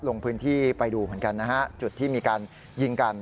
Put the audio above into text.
ลงพื้นที่ไปดูเหมือนกันนะฮะจุดที่มีการยิงกัน